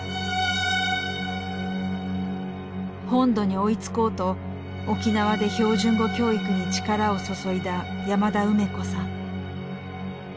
本土に追いつこうと沖縄で標準語教育に力を注いだ山田梅子さん。